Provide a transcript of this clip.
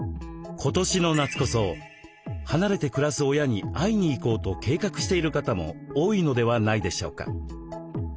今年の夏こそ離れて暮らす親に会いに行こうと計画している方も多いのではないでしょうか？